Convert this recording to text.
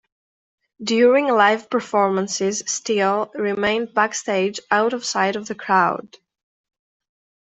During live performances, Steele remained backstage out of sight of the crowd.